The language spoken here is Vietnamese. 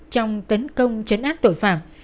trong tấn công chấn át tội phạm